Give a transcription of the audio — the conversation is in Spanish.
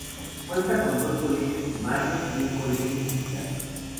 Cuenta con dos colegios primarios y un colegio secundario.